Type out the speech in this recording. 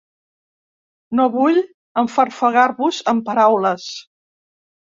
No vull enfarfegar-vos amb paraules.